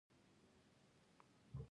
حمزه بابا د غزل پلار و